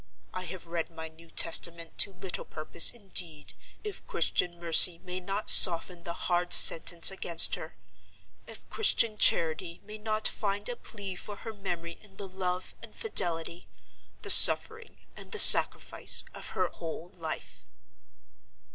I have read my New Testament to little purpose, indeed, if Christian mercy may not soften the hard sentence against her—if Christian charity may not find a plea for her memory in the love and fidelity, the suffering and the sacrifice, of her whole life.